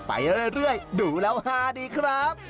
ไปเรื่อยดูแล้วฮาดีครับ